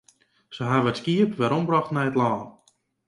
Se hawwe it skiep werombrocht nei it lân.